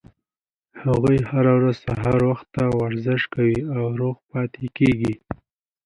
هغوي هره ورځ سهار وخته ورزش کوي او روغ پاتې کیږي